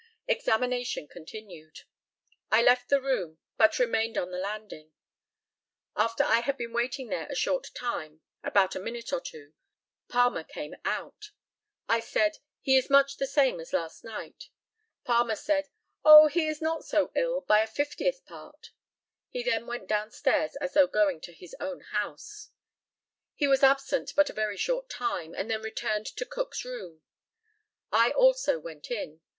Examination continued: I left the room, but remained on the landing. After I had been waiting there a short time (about a minute or two) Palmer came out. I said, "He is much the same as last night." Palmer said, "Oh, he is not so ill by a fiftieth part." He then went down stairs as though going to his own house. He was absent but a very short time, and then returned to Cook's room. I also went in.